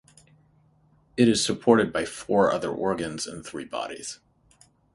It is supported by four other organs and three bodies.